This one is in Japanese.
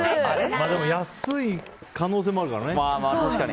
でも、安い可能性もあるからね。